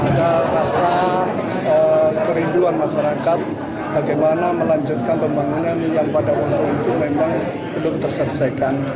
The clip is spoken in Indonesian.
ada rasa kerinduan masyarakat bagaimana melanjutkan pembangunan yang pada waktu itu memang belum terselesaikan